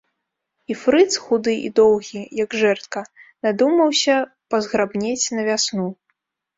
І фрыц, худы і доўгі, як жэрдка, надумаўся пазграбнець на вясну.